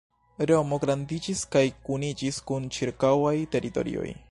Romo grandiĝis kaj kuniĝis kun ĉirkaŭaj teritorioj.